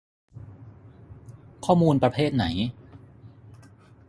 ข้อมูลประเภทไหน